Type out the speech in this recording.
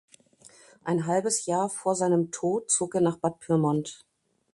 Ein halbes Jahr vor seinem Tod zog er nach Bad Pyrmont.